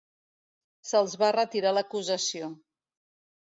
Se'ls van retirar l'acusació.